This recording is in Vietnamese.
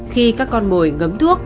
khi các con mồi ngấm thuốc